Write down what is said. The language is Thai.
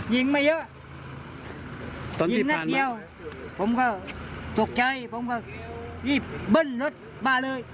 ยิงไม่เยอะตอนที่ผ่านมาผมก็ตกใจผมก็รีบรถมาเลย